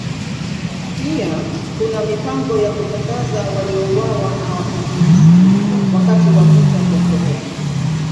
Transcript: Pia kuna mipango ya kutangaza waliouawa na Wakomunisti wakati wa Vita vya Korea.